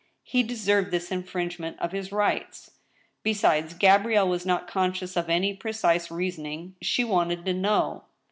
He deserved this infringement of his rights. Besides, Gabrielle was not conscious of any precise reasoning. She wanted to know.